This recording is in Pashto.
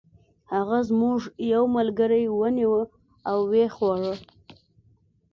هغه زموږ یو ملګری ونیوه او و یې خوړ.